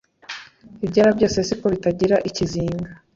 ibyera byose si ko bitagira ikizinga